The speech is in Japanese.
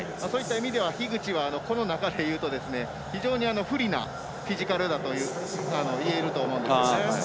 樋口はこの中でいうと非常に不利なフィジカルだといえると思うんですね。